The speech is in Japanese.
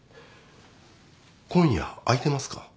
今夜空いてますか？